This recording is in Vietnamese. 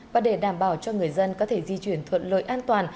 và để đảm bảo cho người dân có thể di chuyển thuận lợi an toàn